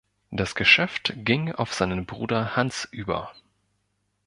Das Geschäft ging auf seinen Bruder Hans über.